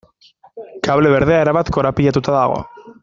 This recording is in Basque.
Kable berdea erabat korapilatuta dago.